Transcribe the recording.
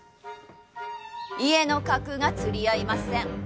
家の格が釣り合いません。